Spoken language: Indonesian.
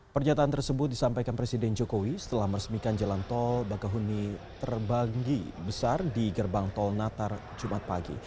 pernyataan tersebut disampaikan presiden jokowi setelah meresmikan jalan tol bagahuni terbanggi besar di gerbang tol natar jumat pagi